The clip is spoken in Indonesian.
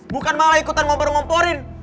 bukan malah ikutan ngompor ngomporin